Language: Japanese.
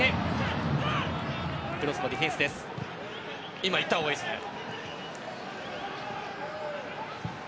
今、行ったほうがいいですね。